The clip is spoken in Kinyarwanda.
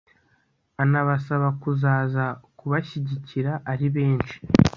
anabasaba kuzaza kubashyigikira ari benshi